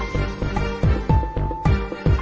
กินโทษส่องแล้วอย่างนี้ก็ได้